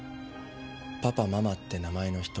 パパママって名前の人。